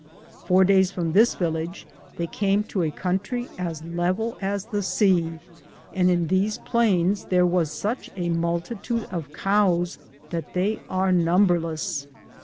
Four days from this village they came to a country as level as the sea, and in these plains there was such a multitude of cows that they are num berleaa.